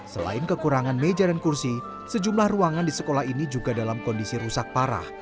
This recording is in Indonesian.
selain kekurangan meja dan kursi sejumlah ruangan di sekolah ini juga dalam kondisi rusak parah